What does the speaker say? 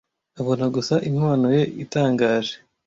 abona gusa impano ye itangaje